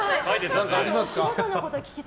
何かありますか？